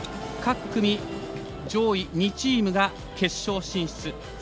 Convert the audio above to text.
各組上位２チームが決勝進出。